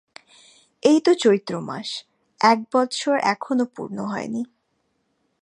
এই তো চৈত্র মাস, এক বৎসর এখনও পূর্ণ হয় নাই।